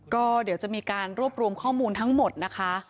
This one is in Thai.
ก็เดี๋ยวจะมีการรวบรวมข้อมูลทั้งหมดนะคะ